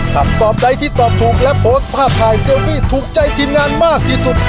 คำตอบใดที่ตอบถูกและโพสต์ภาพถ่ายเซลฟี่ถูกใจทีมงานมากที่สุด